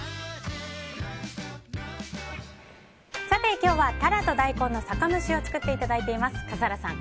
今日はタラと大根の酒蒸しを作っていただいています。